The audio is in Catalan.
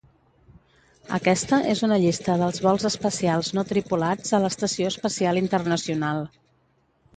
Aquesta és una llista dels vols espacials no tripulats a l'Estació Espacial Internacional.